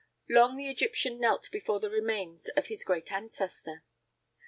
Long the Egyptian knelt before the remains of his great ancestor.